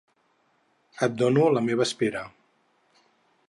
Et dono la meva espera.